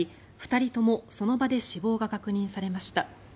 ２人ともその場で死亡が確認されました。